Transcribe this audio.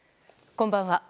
こんばんは。